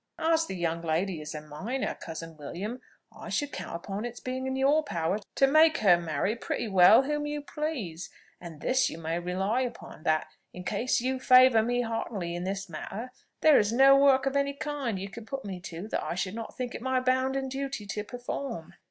"As the young lady is a minor, cousin William, I should count upon its being in your power to make her marry pretty well whom you please. And this you may rely upon, that, in case you favour me heartily in this matter, there is no work of any kind that you could put me to, that I should not think it my bounden duty to perform."